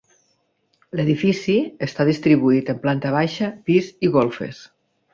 L'edifici està distribuït en planta baixa, pis i golfes.